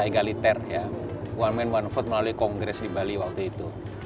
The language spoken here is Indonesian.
egaliter ya one man one vote melalui kongres di bali waktu itu